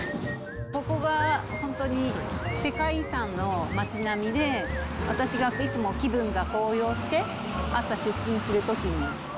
ここが本当に世界遺産の街並みで、私がいつも気分が高揚して、朝、出勤するときに。